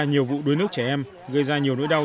nhiều vụ đuối nước trẻ em gây ra nhiều nỗi đau